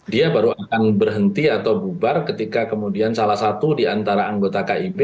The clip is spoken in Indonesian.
dia baru akan berhenti atau bubar ketika kemudian salah satu di antara anggota kib